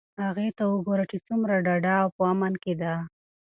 هغې ته وگوره چې څومره ډاډه او په امن کې ده.